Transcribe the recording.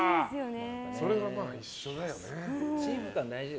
それは一緒だよね。